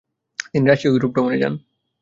তিনি রাশিয়া ও ইউরোপ ভ্রমণে যান।